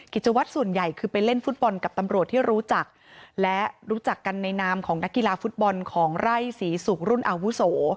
กิจวัตรส่วนใหญ่คือไปเล่นฟุตบอลกับตำรวจที่รู้จักและรู้จักกันในนามของนักกีฬาฟุตบอลของไร่ศรีศุกร์รุ่นอาวุโส